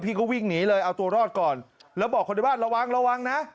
ก็วิ่งหนีเลยเอาตัวรอดก่อนแล้วบอกคนในบ้านระวังระวังนะ